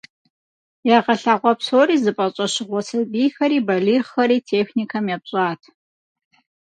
Ягъэлъагъуэ псори зыфӏэщӏэщыгъуэ сабийхэри балигъхэри техникэм епщӏат.